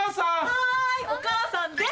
はいお母さんです！